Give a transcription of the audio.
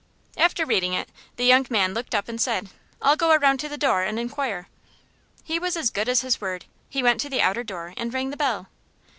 After reading it, the young man looked up and said: "I'll go around to the door and inquire." He was as good as his word. He went to the outer door and rang the bell.